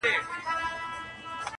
پر حلال حرام یې مه کيږه راوړه یې،